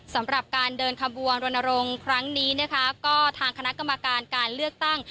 สำหรับการเดินขบวนรณรงค์ครั้งนี้นะคะก็ทางคณะกรรมการการเลือกตั้ง